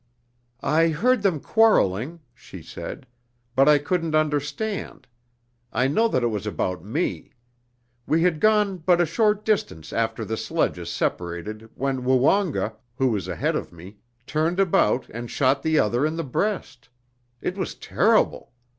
"I heard them quarreling," she said, "but I couldn't understand. I know that it was about me. We had gone but a short distance after the sledges separated when Woonga, who was ahead of me, turned about and shot the other in the breast. It was terrible!